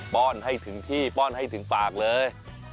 ้อนให้ถึงที่ป้อนให้ถึงปากเลย